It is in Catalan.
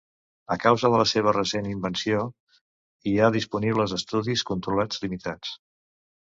A causa de la seva recent invenció hi ha disponibles estudis controlats limitats.